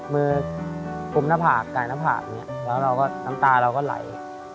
มืออุ่มหน้าผากไก่หน้าผากแล้วน้ำตาเราก็ไหล